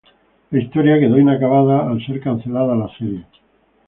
La historia quedó inacabada al ser cancelada la serie.